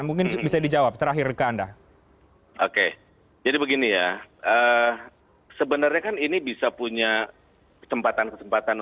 mungkin bisa dijawab terakhir ke anda